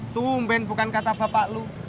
tumben bukan kata bapak lu